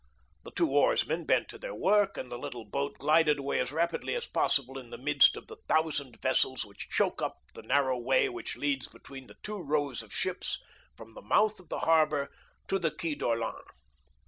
The two oarsmen bent to their work, and the little boat glided away as rapidly as possible in the midst of the thousand vessels which choke up the narrow way which leads between the two rows of ships from the mouth of the harbor to the Quai d'Orléans.